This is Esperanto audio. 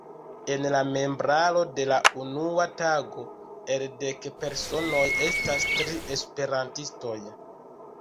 En la membraro de la unua tago el dek personoj estas tri esperantistoj.